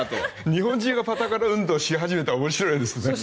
日本中がパタカラ運動をし始めたら面白いですね。